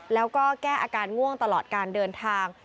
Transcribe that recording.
แล้วก็แก้อาการง่วงตลอดการเดินทาง